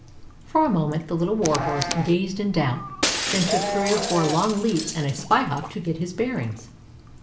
For a moment the Little Warhorse gazed in doubt, then took three or four long leaps and a spy hop to get his bearings.